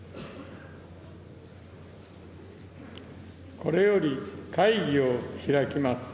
これより会議を開きます。